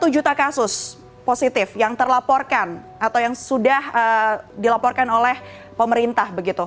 satu juta kasus positif yang terlaporkan atau yang sudah dilaporkan oleh pemerintah